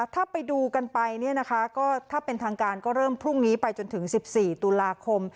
ถ้าไปดูกันไปก็ถ้าเป็นทางการก็เริ่มพรุ่งนี้ไปจนถึง๑๔ตุลาคม